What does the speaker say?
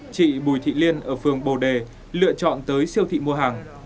chị bùi thị liên ở phường bồ đề lựa chọn tới siêu thị mua hàng